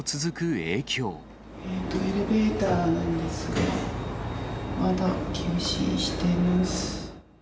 エレベーターなんですが、まだ休止しています。